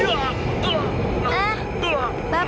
bapak pak pak pak pak